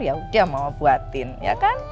yaudah mama buatin ya kan